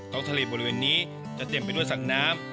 ทะเลบริเวณนี้จะเต็มไปด้วยสั่งน้ำ